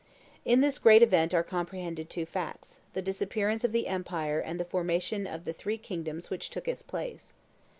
In this great event are comprehended two facts; the disappearance of the empire and the formation of the three kingdoms which took its place.